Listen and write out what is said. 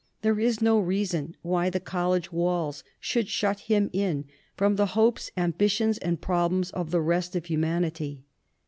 There is no reason why the college walls should shut him in from the hopes, ambitions, and problems of the rest of humanity.